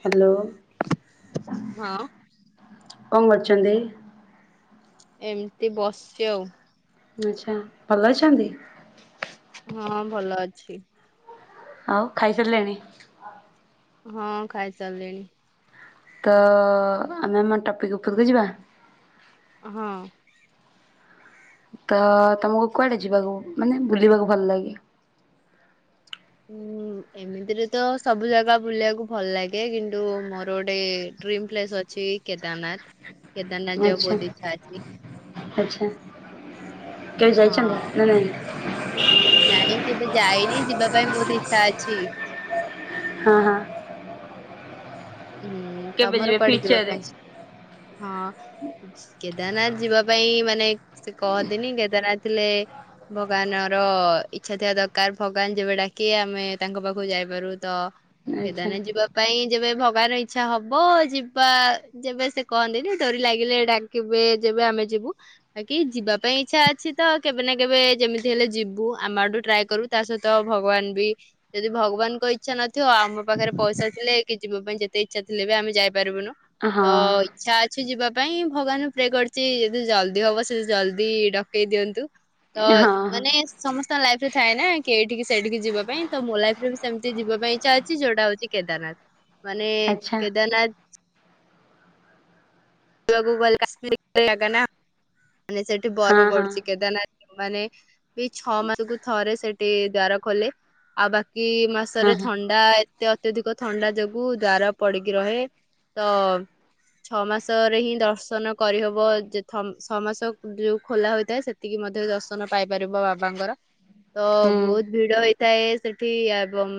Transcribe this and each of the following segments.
Hello. ହଁ କଣ କରୁଚନ୍ତି? ଏମିତି ବସିଚି ଆଉ ଆଛା ଭଲ ଅଛନ୍ତି? ହଁ ଭଲ ଅଛି। ଆଉ ଖାଇସାରିଲେଣି? ହଁ ଖାଇସାରିଲିଣି। ତ ଆମେ ଆମ ଟପିକ୍ ଉପରକୁ ଯିବା ହଁ। ତ ତମକୁ କୁଆଡେ ଯିବାକୁ ମାନେ ବୁଲିବାକୁ ଭଲ ଲାଗେ? ହଁ ଏମିତିରେ ତ ସବୁ ଜାଗା ବୁଲିବାକୁ ଭଲ ଲାଗେ କିନ୍ତୁ ମୋର ଗୋଟେ ଡ୍ରିମ ପ୍ଲେସ୍ ଅଛି କେଦାରନାଥ। କେଦାରନାଥ ଯିବାକୁ ଆଛା ବହୁତ ଇଚ୍ଛା ଅଛି ଆଛା କେବେ ଯାଇଛନ୍ତି ହଁ। ନା ନାଇଁ? ନାଇଁ କେବେ ଯାଇନି ଯିବା ପାଇଁ ବହୁତ ଇଛା ଅଛି। ହଁ ହଁ। ହୁଁ କେବେ ତମର ଯିବେ କୁଆଡେ ଯିବା ଫ୍ୟୁଚରରେ? ପାଇଁ ଇ ହଁ। କେଦାରନାଥ ଯିବା ପାଇଁ ମାନେ ସେ କହନ୍ତିନି କେଦାରନାଥ ଥିଲେ ଭଗବାନର ଇଛା ଥିବା ଦରକାର ଭଗବାନ ଯେବେ ଡାକି ଆମେ ତାଙ୍କ ପାଖକୁ ଯାଇପାରୁ ତ ଆଚ୍ଛା କେଦାରନାଥ ଯିବା ପାଇଁ ଯେବେ ଭ ଯିବାର ଇଛା ହବ ଯିବା ଯେବେ ସେ କହନ୍ତିନି ଡୋରି ଲାଗିଲେ ଡାକିବେ ଯେବେ ଆମେ ଯିବୁ ବାକି ଯିବା ପାଇଁ ଇଚ୍ଛା ଅଛି ତ କେବେ ନା କେବେ ଯେମିତି ହେଲେ ଯିବୁ ଆମ ଆଡୁ ଟ୍ରାଏ କରିବୁ ତା ସହିତ ଭଗବାନ ବି ଯଦି ଭଗବାନଙ୍କ ଇଚ୍ଛା ନଥିବ ଆମ ପାଖରେ ପଇସା ଥିଲେ କି ଯିବା ପାଇଁ ଯେତେ ଯେତେ ଇଛା ଥିଲେ ବି ଆମେ ଜା ପାରିବୁନୁ ହଁ ତ ହଁ ଇଛା ଅଛି ଯିବା ପାଇଁ ଭଗବାନ ପ୍ରେ କରୁଚି ଯଦି ଜଲ୍ଦି ହବ ସେ ଜଲ୍ଦି ଡକେଇ ଦିଅନ୍ତୁ। ତ ହଁ ମାନେ ସମସ୍ତଙ୍କ ଲାଇଫ ରେ ଥାଏ ନା କେ ଇଠିକି ସେଇଠିକି ଯିବା ପାଇଁ ତ ମୋ ଲାଇଫ ରେ ବି ସେମିତି ଯିବା ପାଇଁ ଇଚ୍ଛା ଅଛି ଯଉଟା ହଉଛି କେଦାରନାଥ। ମାନେ ଆଚ୍ଛା କେଦାରନାଥ ବୁଲିବାକୁ ଗଲେ କାଶ୍ମୀର ଜାଗା ନା ମାନେ ସେଠି ହଁ ବରଫ ହଁ ପଡୁଚି କେଦାରନାଥ ମାନେ ଏଇ ଛଅ ମାସକୁୁ ଥରେ ସେଠି ଦ୍ଵାର ଖୋଲେ ଆଉ ବାକି କି ହଁ ମାସରେ ହଁ ଥଣ୍ଡା ଏ ଏତେ ଅତ୍ୟଧିକ ଥଣ୍ଡା ଯୋଗୁ ଦ୍ୱାର ପଡିକି ରହେ ତ ଛଅ ମାସ ସରେ ହିଁ ଦର୍ଶନ କରିହବ ଯେ ଥମ ସମାସ କ ଯୋଉ ଖୋଲା ହୋଇଥାଏ ସେତିକି ମଧ୍ୟ ଦର୍ଶନ ପାଇପାରିବ ବାବାଙ୍କର ତ ହୁଁ ବହୁତ ଭିଡ ହେଇଥାଏ ସେଠି ଏବଂ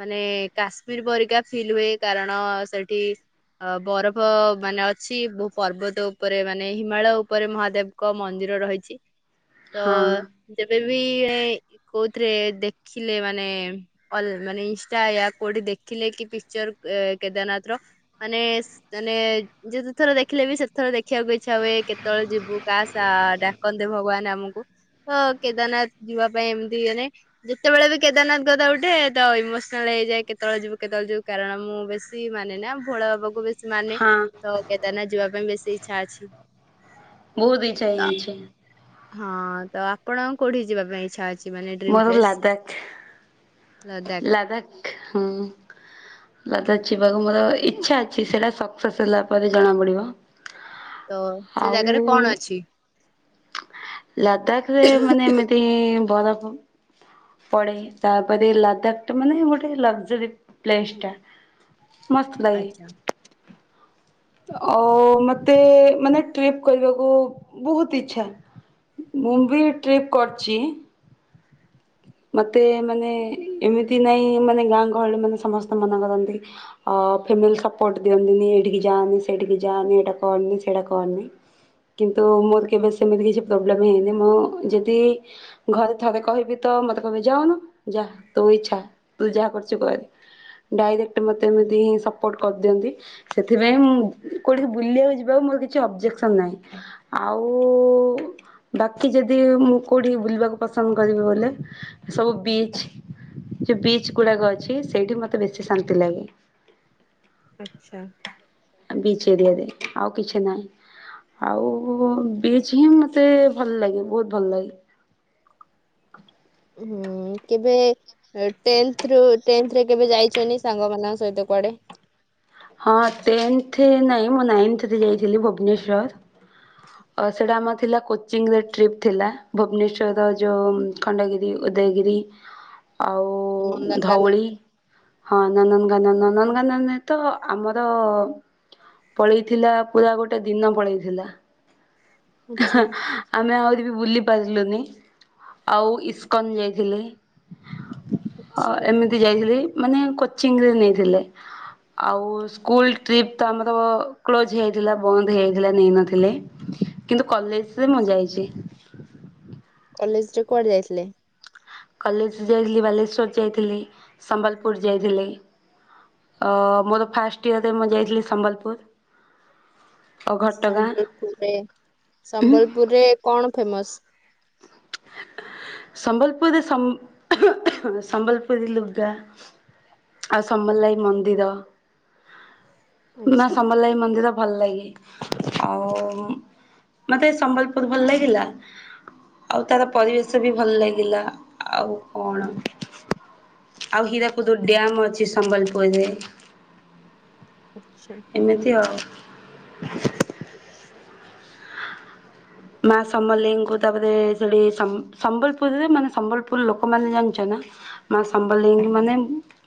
ମାନେ କାଶ୍ମୀର ପରିକା ଫିଲ୍ ହୁଏ କାରଣ ସେଠି ଅ ବରଫ ମାନେ ଅଛି ବୋହୁ ପର୍ବତ ଉପରେ ମାନେ ହିମାଳୟ ଉପରେ ମହାଦେବଙ୍କ ମନ୍ଦିର ରହିଚି। ତ ହଁ ସେ ଏବେ ବି କଉଥିରେ ଦେଖିଲେ ମାନେ ଅଲ ମାନେ ଇନଷ୍ଟା ଆ କୋଉଠି ଦେଖିଲେ କି ପିକଚର ଏ କେଦାରନାଥ ର ମାନେ ସ ମାନେ ଯେତେ ଥର ଦେଖିଲେ ବି ସେଥର ଦେଖିବାକୁ ଇଚ୍ଛା ହୁଏ କେତେବେଳେ ଯିବୁ କାସ୍ ଡାକନ୍ତେ ଭଗବାନ ଆମକୁ ତ କେଦାରନାଥ ଯିବା ପାଇଁ ଏମିତି ମାନେ ଯେତେବେଳେ ବି କେଦାରନାଥ କଥା ଉଠେ ତ ଇମୋସନାଲ ହେଇଯାଏ କେତେବେଳେ ଯିବୁ କେତେବେଳେ ଯିବୁ କାରଣ ମୁଁ ବେଶୀ ମାନେ ନା ଭୋଳ ବାବାକୁ ବେଶୀ ମାନେ ହଁ ତ କେଦାରନାଥାଏ ଯିବା ଯିବା ପାଇଁ ବେଶୀ ଇଚ୍ଛା ଅଛି। ବହୁତ ଇଚ୍ଛା ତ ହେଇଯାଇଚି। ହଁ ତ ଆପଣ କୋଉଠି ଯିବା ପାଇଁ ଇଚ୍ଛା ଅଛି? ମାନେ ମୋର ଲାଦାଖ। ଲାଦାଖ। ହୁଁ ଲାଦାଖ ଯିବାକୁ ମୋର ଇଚ୍ଛା ଅଛି ସେଇଟା ସକ୍ସେସ ହେଲା ପରେ ଜଣା ପଡିବ। ତ ସେ ଆଉ ଜାଗାରେ କଣ ଅଛି? ଲାଦାଖ ରେ ମାନେ ଏମିତି ବରଫ ପଡେ ତାପରେ ଲାଦାଖ ଟା ମାନେ ଗୋଟେ ଲକ୍ଜାରୀ ପ୍ଲେସ ଟା। ମସ୍ତ ଲାଗେ। ଆଚ୍ଛା। ଆ ମୋତେ ମାନେ ଟ୍ରିପ୍ କରିବାକୁ ବହୁତ ଇଚ୍ଛା ମୁଁ ବି ଟ୍ରିପ୍ କରିଛି। ମତେ ମାନେ ଏମିତି ନାଇଁ ମାନେ ଗାଁ ଗହଳି ମାନେ ସମସ୍ତେ ମନା କରନ୍ତି ଫାମପୋର୍ଟ ଦିଅନ୍ତିି ଏଠିକି ଯାଆନି ସେଠି ଯାଆନି ଏଟା କରନି ସେଟା କରନି କିନ୍ତୁ ମୋର କେବେ ସେମି କିଛି ପ୍ରୋବ୍ଲେ ହେଇନି ମୁଁ ଯଦି ଘରେ ଥରେ କହିବି। ତ ମତେ କହିବି ଯାଉନୁ ଯାହା ତୋ ଇଛା ତୁ ଯାହା କରୁଛୁ କରେ? ଡାଇରେକ୍ଟର ମୋତେ ଏମିତି ହିଁ ସପୋର୍ଟ କରିଦିଅନ୍ତି। ସେଥିପାଇଁ କୋଉଠି ବୁଲିବାକୁ ଯିବାକୁ ମୋର କିଛି ଅବଜେକ୍ସନ ନାହିଁ ଆଉ ବାକି ଯଦି ମୁଁ କୋଉଠି ବୁଲିବାକୁ ପସନ୍ଦ କରିବି ବୋଲି। ସବୁ ବିଚ ଯଉ ବିଚ ଗୁଡାକ ଅଛି ସେଇଠି ମତେ ବେଶୀ ଶାନ୍ତି ଲାଗେ। ଆଚ୍ଛା। ବିଚ ଏରିଆରେ ଆଉ କିଛି ନାହିଁ ଆଉ ବିଚ ହିଁ ମତେ ଭଲ ଲାଗେ ବହୁତ ଭଲ ଲାଗେ। ହଁ କେବେ ଟେନଥ ଏ ଯାଇଛନ୍ତି ସାଙ୍ଗ ମାନଙ୍କ ସହିତ କୁଆଡେ? ହଁ ଟେନ୍ଥ ନାହିଁ ମୁଁ ନାଇନ୍ଥରେ ଯାଇଥିଲି ଭୁବନେଶ୍ୱଵର ସେଇଟା ଆମର ଥିଲା କୋଚିଂରେ ଟ୍ରିପ୍ ଥିଲା ଭୁବନେଶ୍୍ୱରର ଯେଉ ଖଣ୍ଡଗିରି ଉଦୟଗିରି। ଆଉ ନନ୍ଦନକାନନ ଧଉଳି ହଁ ନନ୍ଦ କାନନ ନନ୍ଦନକାନନ ନୁହେଁ ତ। ଆମର ପଳେଇଥିଲା ପୁରା ଗୋଟେ ଦିନ ପଳେଇଥିଲା। ଆଚ୍ଛା ଆମେ ଆହୁରି। ବି ବୁଲି ପାରିଲୁନି ଆଉ ଇସ୍କନ୍ ଯାଇଥିଲି। ହ ଆଚ୍ଛା। ଏମିତି ଯାଇଥିଲି। ମାନେ କୋଚିଂରେ ନେଇଥିଲେ ଆଉ ସ୍କୁଲ ଟ୍ରିପ୍ ତ ଆମର କ୍ଲୋଜ୍ ହେଇଯାଇଥିଲା ବନ୍ଦ ହେଇଯାଇଥିଲା ନେଇନଥିଲେ। କିନ୍ତୁ କଲେଜରେ ମୁଁ ଯାଇଚି। କଲେଜ ରେ କୁଆଡେ ଯାଇଥିଲେ? କଲେଜ ଯାଇଥିଲି ବାଲେଶର ଯାଇଥିଲି ସମ୍ବଲପୁର ଯାଇଥିଲି ମୋର ଫାଷ୍ଟ ଇୟରରେ ମୁଁ ଯାଇଥିଲି ସମ୍ବଲପୁର। ଓ ଘଟଗାଁ ସମ୍ବଲପୁରରେ ସମ୍ବଲପୁରରେ କଣ ଫେମସ? ସମ୍ବଲପୁରୀ ସମ୍ବଲପୁରୀ ଲୁଗା ଆଉ ସମ୍ବଲଲାଇ ମନ୍ଦିର ମା ଆଚ୍ଛା ସମଲ ଲାଇ ମନ୍ଦିର ଭଲ ଲାଗେ ଆଉ ମତେ ସମ୍ବଲପୁର ଭଲ ଲାଗିଲା ଆଉ ତାର ପରିବେଶ ବି ଭଲ ଲାଗିଲା ଆଉ କଣ ଆଉ ହୀରାକୁଦୁ ଡ୍ୟାମ୍ ଅଛି ସମ୍ବଲପୁରରେ। ଆଚ୍ଛା ଏମିତି ଆଉ। [inaudible] ମା ସମଲେଇଙ୍କୁ ତାପରେ ସେଠି ସମ୍ବଲପୁରରେ ମାନେ ସମ୍ବଲପୁର ଲୋକମାନେ ଜାଣିଛ ନା ମା ସମଲେଇଙ୍କୁ ମାନେ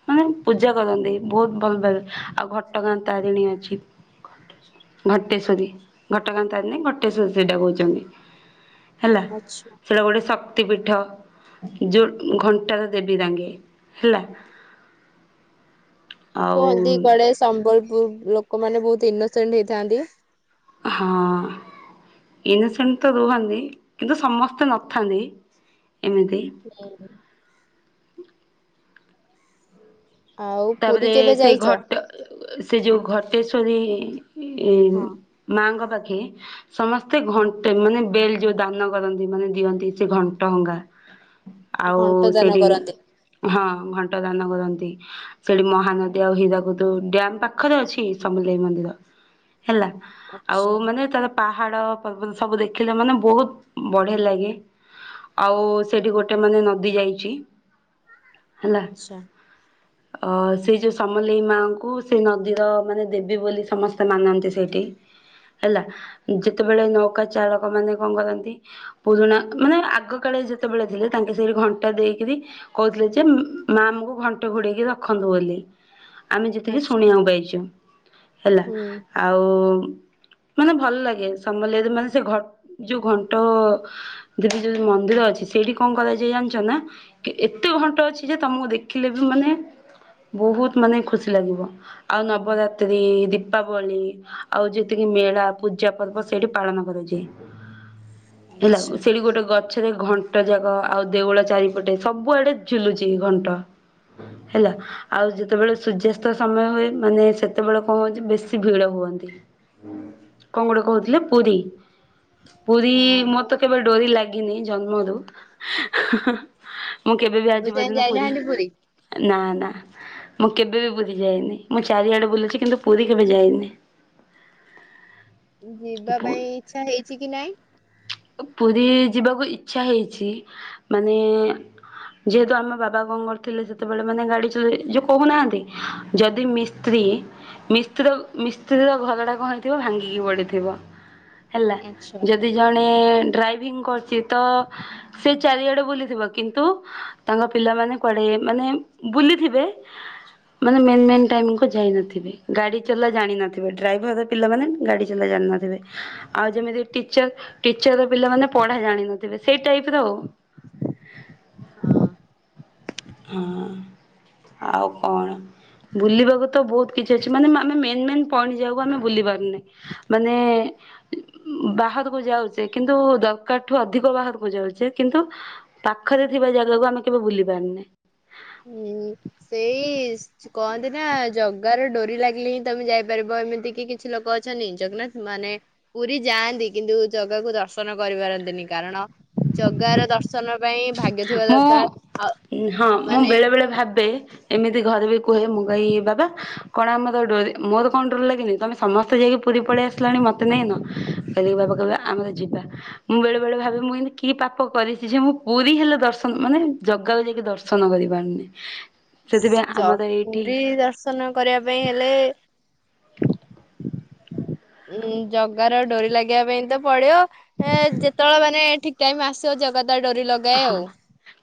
ମାନେ ପୂଜା କରନ୍ତି ବହୁତ ଭଲ ଭାବେ ଆଉ ଘଟଗାଁ ତାରିଣୀ ଅଛି ଘଟେଶ୍ଵରୀ ଘଟଗାଁ ତାରିଣୀ ଘଂଟେଶ୍ୱରୀ ସେଇଟା କହୁଛି। ହୁଚନ୍ତି। ହେଲା ଆଚ୍ଛା। ସେଇଟା ଗୋଟେ ଶକ୍ତିପୀଠ ଯୋଘଣ୍ଟାରେ ଦେବି ଦାଙ୍ଗେ ହେଲା। ଆଉ କୁହନ୍ତି କୁଆଡେ ସମ୍ବଲପୁର ଲୋକ ଲୋକମାନେ ବହୁତ ଇନୋସେଣ୍ଟ ହେଇଥାନ୍ତି। ହଁ ଇନୋସେଣ୍ଟ ତ ରୁହନ୍ତି କିନ୍ତୁ ସମସ୍ତେ ନଥାନ୍ତି ଏମିତି। ହୁ [inaudible] ଆଉ ପୁରୀ ତାପରେ କେବେ ସେଇ ଯାଇଚ? ଘଟ ସେ ଯୋଉ ଘଟେଶ୍ୱରୀ ଏ ମାଙ୍କ ପାଖ ପାଖେ ସମସ୍ତେ ହଁ। ଘଣ୍ଟେ ମାନେ ବେଲ ଯୋଉ ଦାନ କରନ୍ତି ମାନେ ଦିଅନ୍ତି ସେ ଘଣ୍ଟ ଗାଁ ଆଉ ଘଣ୍ଟ ଦାନ ସେଠି କରନ୍ତି ହଁ ଘଣ୍ଟ ଦାନ କରନ୍ତି। ସେଠି ମହାନଦୀ ଆଉ ହୀରାକୁଦ ଡ୍ୟାମ ପାଖରେ ଅଛି ସମଲେଇ ମନ୍ଦିର। ହେଲା ଆଉ ଆଚ୍ଛା ମାନେ ତାର ପା ପାହାଡ ପର୍ବତ ସବୁ ଦେଖିଲେ ମାନେ ବହୁତ ବଢିଆ ଲାଗେ ଆଉ ସେଠି ଗୋଟେ ମାନେ ନଦୀ ଯାଇଛି ହେଲା ଆଛା। ଅ ସେ ଯୋଉ ସମଲେଇ ମାଙ୍କୁ ସେ ନଦୀର ମାନେ ଦେବୀ ବୋଲି ସମସ୍ତେ ମାନନ୍ତି ସେଇଠି ହେଲା, ଯେତେବେଳେ ନୌକା ଚାଳକ ମାନେ କଣ କରନ୍ତି ପୁରୁଣା ମାନେ ଆଗ କାଳେ ଯେତେବେଳେ ଥିଲେ ତାଙ୍କେ ସେଇଠି ଘଣ୍ଟ ଦେଇକିରି କହୁଥିଲେ ଯେ ମା ଆମକୁ ଘଣ୍ଟ ଘୋଡେଇକି ରଖ। ରଖନ୍ତୁ ବୋଲି। ଆମେ ଯେତିକି ଆଚ୍ଛା ଶୁଣିବାକୁ ପାଇଛୁ ହେଲା ହୁଁ। ଆଉ ମାନେ ଭଲ ଲାଗେ ସମଲେଇର ମାନେ ସେ ଘ ଯୋଉ ଘଣ୍ଟ ଦେବୀ ଯୋଉ ମନ୍ଦିର ଅଛି ସେଇଠି କଣ କରାଯାଇଏ ଜାଣିଛ ନା ଏତେ ଘଣ୍ଟ ଅଛି ଯେ ତମକୁ ଦେଖିଲେ ବି ମାନେ ବହୁତ ମାନେ ଖୁସି ଲାଗିବ ଆଉ ନବରାତ୍ରି ଦୀପାବଳି ଆଉ ଯେତିକି ମେଳା ପୂଜା ପର୍ବ ସେଇଠି ପାଳନ କରାଯାଏ। ହେଲା ଆଚ୍ଛା। ସେଠି ଗୋଟେ ଗଛ ସେଟି ଘଣ୍ଟ ଯାକ ଆଉ ଦେଉଳ ଚାରିପଟେ ସବୁଆଡେ ଝୁଲୁଛି ଘଣ୍ଟ ହେଲା ଆଉ ଯେତେବେଳେ ସୂର୍ଯ୍ୟାସ୍ତ ସମୟ ହୁଏ ମାନେ ସେତେବେଳେ କଣ ହଉଛି ବେଶୀ ଭିଡ ହୁଅନ୍ତି କଣ ଗୋଟେ କହୁଥିଲେ ପୁରୀ ପୁରୀ ମୋର ହଁ ତ କେବେ ଡୋରି ଲାଗେ ଗିନି ଜନ୍ମ ରୁ ମୁଁ କେବେ ବି ଏବେ ଆଜି ଯାଇ ପର୍ଯ୍ୟନ୍ତ ପୁରୀ ଯାଇନାହାନ୍ତି ନା ନା ମୁଁ କେବେ ବି ବୁଲି ଯାଇନି ମୁଁ ଚାରିଆଡ଼େ ବୁଲୁଛି କିନ୍ତୁ ପୁରୀ କେବେ ଯାଇନି। ଯିବା ପୁ ପାଇଁ ଇଚ୍ଛା ହେଇଛି କି ନାଇଁ ପୁରୀ ଯିବାକୁ ଇଚ୍ଛା ହେଇଛି ମାନେ ଯେହେତୁ ଆମ ବାବା କଣ କରିଥିଲେ ସେ ସେତେବେଳେ ମାନେ ଗାଡି ଚଲେଇ ଯୋଉ କହୁନାହାଁନ୍ତି ଯଦି ମିସ୍ତ୍ରୀ ମିସ୍ତ୍ରୀର ମିସ୍ତ୍ରୀର ଘର ଟା କଣ ହେଇଥିବ ଭାଙ୍ଗିକି ପଡିଥିବ। ହେଲା ଆଚ୍ଛା ଯଦି ଜଣେ ଡ୍ରାଇଭ ଭିଂ କରୁଚି ତ ସେ ଚାରିଆଡେ ବୁଲିଥିବ କିନ୍ତୁ ତାଙ୍କ ପିଲାମାନେ କୁଆଡେ ମାନେ ବୁଲିଥିବେ ମାନେ ମେନ୍ ମେନ୍ ଟାଇମକୁ ଯାଇ ନଥିବେ ଗାଡି ଚଲା ଜାଣି ନଥିବେ ଡ୍ରାଇଭରର ପିଲାମାନେ ଗାଡି ଚଲା ଜାଣି ନଥିବେ ଆଉ ଯେମିତି ଟିଚର ଟିଚର ର ପିଲାମାନେ ପଢା ଜାଣି ନଥିବେ ସେଇ ଟାଇପ ର ଆଉ। ହଁ। ହଁ ଆଉ କଣ ବୁଲିବାକୁ ତ ବହୁତ କିଛି ଅଛି ମାନେ ଆମେ ମେନ୍ ମେନ ପଏଣ୍ଟ୍ ଯାହାକୁ ଆମେ ବୁଲି ପାରୁନେ ମାନେ ବା ବାହାରକୁ ଯାଉଚେ କିନ୍ତୁ ଦରକାର ଠୁ ଅଧିକ ବାହାରକୁ ଯାଉଚେ କିନ୍ତୁ ପାଖରେ ଥିବା ଜାଗାକୁ ଆମେ କେବେ ବୁଲି ପାରୁନେ। ହୁଁ ସେଇ କହନ୍ତି ନା ଜଗାର ଡୋରି ଲାଗିଲେ ହିଁ ତମେ ଯାଇପାରିବ ଏମିତି କିି କିଛି ଲୋକ ଅଛନ୍ତି ଜଗନ୍ନାଥ ମାନେ ପୁରୀ ଯାଆନ୍ତି କିନ୍ତୁ ଜଗାକୁ ଦର୍ଶନ କରିପାରନ୍ତିନି କାରଣ ଜଗାର ଦର୍ଶନ ପାଇଁ ଭାଗ୍ୟ ଥିବା ମୁଁ ଦରକାର ଆଉ ହଁ ମୁଁ ମାନେ ବେଳେବେଳେ ଭାବେ ଏମିତି ଘରେ ବି କୁହେ ମୁଁ କହିବି ବାବା କଣ ଆମର ଡୋରି ମୋର କଣ ଡୋରି ଲାଗିନି ତମେ ସମସ୍ତେ ଯାଇକି ପୁରୀ ପଳେଇ ଆସିଲଣି ମତେ ନେଇନ କହିଲି କି ବାବା କହିବେ ଆମର ଯିବା ମୁଁ ବେଳେ ବେଳେ ଭାବେ ମୁଁ କେମତି କି ପାପ କରିଛି ଯେ ମୁଁ ପୁରୀ ହେଲେ ଦର୍ଶନ ମାନେ ଜଗାକୁ ଯାଇକି ଦର୍ଶନ କରି ପାରୁନି। ପୁରୀ ଦର୍ଶନ କରିବା ପାଇଁ ହେଲେ ଉଁ ଜଗାର ଡୋରି ଲାଗିବା ପାଇଁ ତ ପଡିବ ଯେତେବେଳେ ମାନେ ଠିକ ଟାଇମ ଆସିବ ଜଗା ତା ଡୋରି ଲଗାଏ ହଁ ଆଉ।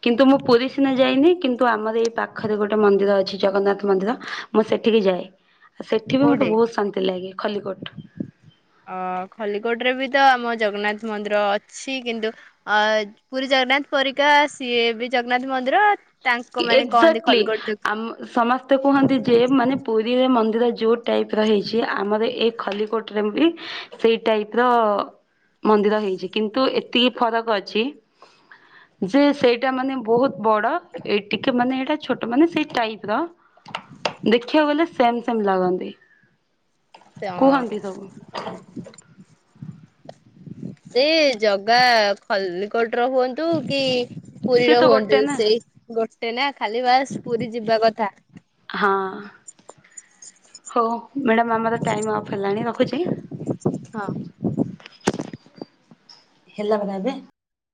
କିନ୍ତୁ ମୁଁ ପୁରୀ ସିନା ଯାଇନି କିନ୍ତୁ ଆମର ଏଇ ପାଖରେ ଗୋଟେ ମନ୍ଦିର ଅଛି ଜଗନ୍ନାଥ ମନ୍ଦିର ମୁଁ ସେଠିକି ଯାଏ। ଆଉ ସେଠି ବି ମତେ କୋଉଠି? ବହୁତ ଶାନ୍ତି ଲାଗେ। ଖଲ୍ଲିକୋଟ। ଅ ଖଲ୍ଲିକୋଟରେ ବି ତ ଆମ ଜଗନ୍ନାଥ ମନ୍ଦିର ଅଛି କିନ୍ତୁ ଅ ପୁରୀ ଜଗନ୍ନାଥ ପରିକା ସିଏ ବି ଜଗନ୍ନାଥ ମନ୍ଦିର ତାଙ୍କ ମାନେ କହନ୍ତି ଏଜାକ୍ଟଲି ଖଲିକୋଟ ଜ ଆ ସମସ୍ତେ କୁହନ୍ତି ଯେ ମାନେ ପୁରୀରେ ମନ୍ଦି ମନ୍ଦିର ଯୋଉ ଟାଇପ ର ହେଇଛି ଆମର ଏଇ ଖଲ୍ଲିକୋଟ ରେ ବି ସେଇ ଟାଇପ ର ମନ୍ଦିର ହେଇଛି କିନ୍ତୁ ଏତିକି ଫରକ ଅଛି ଯେ ସେଇଟା ମାନେ ବହୁତ ବଡ଼ ଏ ଟିକେ ମାନେ ଏଇଟା ଛୋଟ ମାନେ ସେଇ ଟାଇପ ର ଦେଖିବାକୁ ଗଲେ ସେମ୍ ସେମ ଲାଗନ୍ତି। ହଁ କୁହନ୍ତି ସବୁ। ସେ ଜଗା ଖଲ୍ଲିକୋଟ ହୁଅନ୍ତୁ କି ସିଏ ତ ପୁରୀର ଗୋଟେ ହୁଅନ୍ତୁ ନା ସେଇ ଗୋଟେ ନା ଖାଲି ବାସ୍ ପୁରୀ ଯିବା କଥା [unintelligible] ହଉ ମ୍ୟାଡ଼ାମ ଆମର ଟାଇମ ଅଫ୍ ହେଲାଣି ରଖୁଛି। ହଁ ହେଲା ପରା ଏବେ